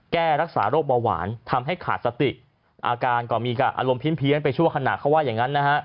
แก้รักษาโรคเบาหวานทำให้ขาดสติอาการก็มีการอารมณ์เพี้ยนไปชั่วขณะเขาว่าอย่างนั้นนะฮะ